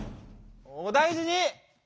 お大じに！